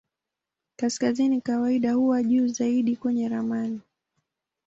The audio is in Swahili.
Kaskazini kawaida huwa juu zaidi kwenye ramani.